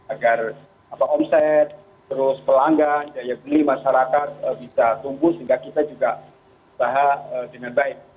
agar omset terus pelanggan daya beli masyarakat bisa tumbuh sehingga kita juga usaha dengan baik